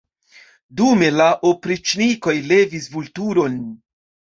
Dume la opriĉnikoj levis Vulturon.